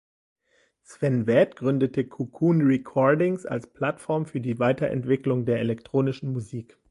Sven Väth gründete Cocoon Recordings als Plattform für die Weiterentwicklung der elektronischen Musik.